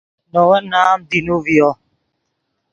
نے ون نام دینو ڤیو